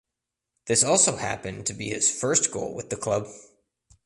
This also happened to be his first goal with the club.